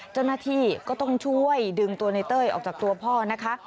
เจ้าหน้าที่ก็ต้องช่วยดึงตัวในเต้ยออกจากตัวพ่อนะคะ